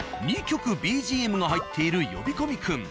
２曲ＢＧＭが入っている呼び込み君。